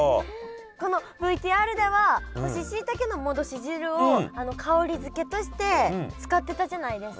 このＶＴＲでは干ししいたけの戻し汁を香り付けとして使ってたじゃないですか。